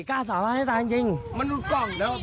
กล้าสาบานให้ตายจริง